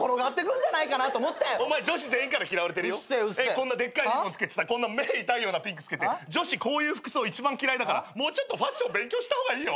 こんなでっかいリボンつけてさこんな目痛いようなピンクつけて女子こういう服装一番嫌いだからもうちょっとファッション勉強した方がいいよ。